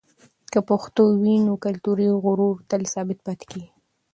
که پښتو وي، نو کلتوري غرور تل ثابت پاتېږي.